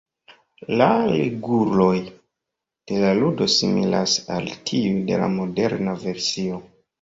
La reguloj de la ludo similas al tiuj de la moderna versio.